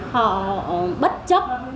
họ bất chấp